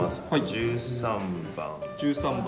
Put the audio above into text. １３番。